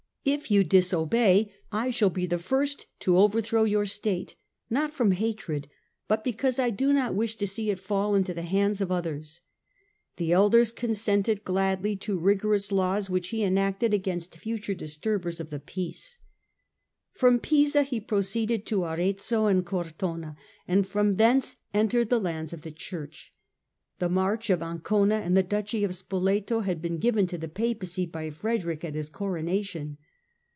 If you disobey, I shall be the first to overthrow your state ; not from hatred, but because I do not wish to see it fall into the hands of others." The elders consented gladly to rigorous laws which he enacted against future dis turbers of the peace. From Pisa he proceeded to Arezzo and Cortona, and from thence entered the lands of the Church. The March of Ancona and the Duchy of Spoleto had been given to the Papacy by Frederick at his Coronation.